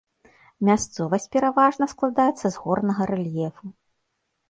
Мясцовасць пераважна складаецца з горнага рэльефу.